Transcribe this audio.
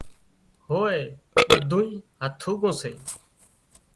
هوي اِي ٻڌونئي هٿُوڪون سي